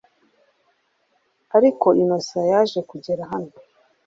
Ariko innocent yaje kugera aho